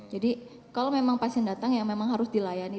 jadi kalau memang pasien datang ya memang harus dilayani